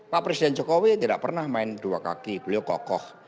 pak presiden jokowi tidak pernah main dua kaki beliau kokoh